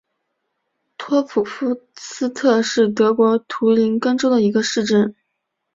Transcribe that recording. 托普夫斯特是德国图林根州的一个市镇。